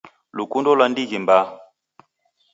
Lukundo lwa ndighi mbaa